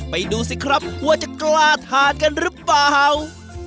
ดูสิครับว่าจะกล้าทานกันหรือเปล่า